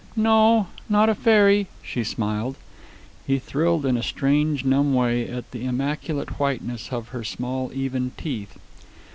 "No, not a fairy," she smiled. He thrilled in a strange, numb way at the immaculate whiteness of her small even teeth.